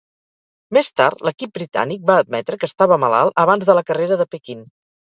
Més tard, l'equip britànic va admetre que estava malalt abans de la carrera de Pequín.